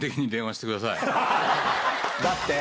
だって？